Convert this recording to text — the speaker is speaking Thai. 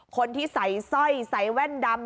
คนที่ใส่สร้อยใส่แว่นดำ